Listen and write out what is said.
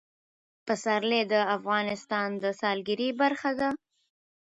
پسرلی د افغانستان د سیلګرۍ برخه ده.